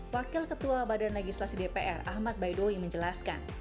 wakil ketua badan legislasi dpr ahmad baidowi menjelaskan